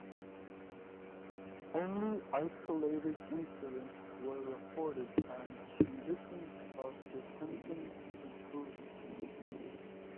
Only isolated incidents were reported and conditions of detention improved.